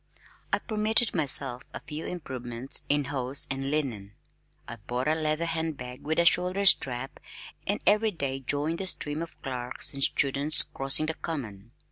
I permitted myself a few improvements in hose and linen. I bought a leather hand bag with a shoulder strap, and every day joined the stream of clerks and students crossing the Common.